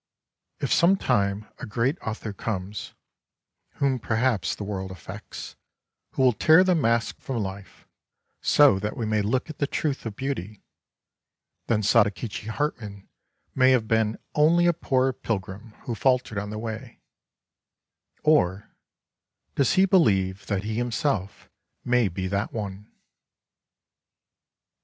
If some time a great author comes, — whom perhaps the world effects* — who will tear the mask from life, so that we may look at the truth of beauty, then Sadakichi Hartmann may have bet n only a poor pil grim who faltered on the way, — or, does he believe that he himself may be that one